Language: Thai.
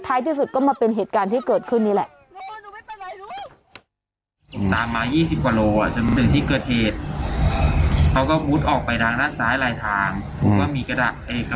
ที่สุดก็มาเป็นเหตุการณ์ที่เกิดขึ้นนี่แหละ